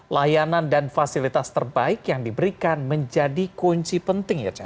layanan dan fasilitas terbaik yang diberikan menjadi kunci penting